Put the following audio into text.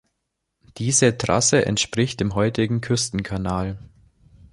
Diese Trasse entspricht dem heutigen Küstenkanal.